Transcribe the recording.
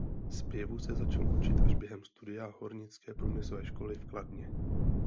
Zpěvu se začal učit až během studia hornické průmyslové školy v Kladně.